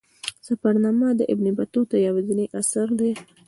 سفرنامه د ابن بطوطه یوازینی اثر دی.